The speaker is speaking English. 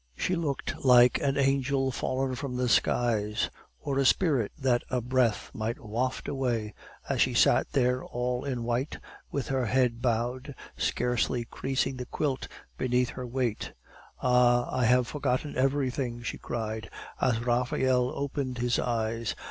She looked like an angel fallen from the skies, or a spirit that a breath might waft away, as she sat there all in white, with her head bowed, scarcely creasing the quilt beneath her weight. "Ah, I have forgotten everything!" she cried, as Raphael opened his eyes.